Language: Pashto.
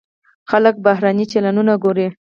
خلک بهرني چینلونه ګوري.